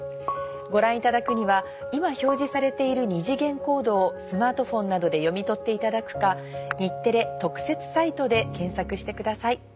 ご覧いただくには今表示されている二次元コードをスマートフォンなどで読み取っていただくか日テレ特設サイトで検索してください。